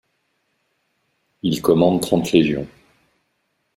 Il commande trente légions.